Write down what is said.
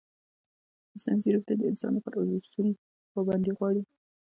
مصنوعي ځیرکتیا د انساني اصولو پابندي غواړي.